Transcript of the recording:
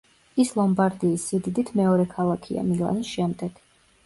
ის ლომბარდიის სიდიდით მეორე ქალაქია, მილანის შემდეგ.